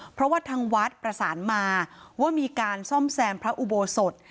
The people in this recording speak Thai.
เพราะว่าทางวัดประสานมาว่ามีการซ่อมแซมพระอุโบสถ